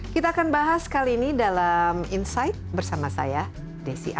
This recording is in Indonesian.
kita akan bahas kali ini dalam insight bersama saya desi anwar